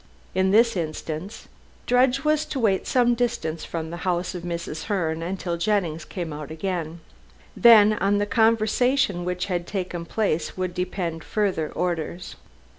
In this instance Drudge was to wait some distance from the house of Mrs. Herne until Jennings came out again. Then on the conversation which had taken place would depend further orders.